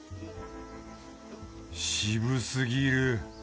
渋すぎる